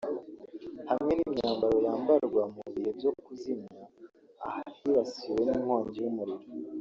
hamwe n’imyambaro yambarwa mu bihe byo kuzimya ahibasiwe n’inkongi y’umuriro